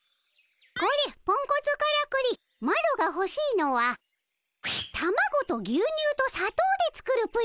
これポンコツからくりマロがほしいのはたまごとぎゅうにゅうとさとうで作るプリンでおじゃる。